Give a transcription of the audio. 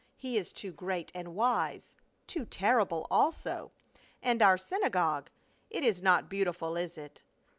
He is too great and wise — too terrible also. And our synagogue — it is not beautiful, is it